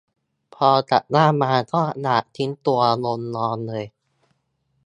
พอกลับบ้านมาก็อยากทิ้งตัวลงนอนเลย